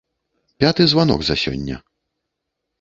Пяты званок за сёння!